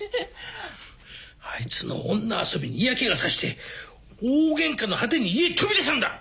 あいつの女遊びに嫌気がさして大げんかの果てに家飛び出したんだ！